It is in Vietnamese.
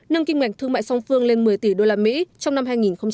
nâng kinh mạch thương mại song phương lên một mươi tỷ usd trong năm hai nghìn hai mươi